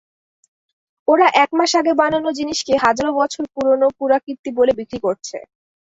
ওরা এক মাস আগের বানানো জিনিসকে হাজারো বছর পুরোনো পুরাকীর্তি বলে বিক্রি করছে।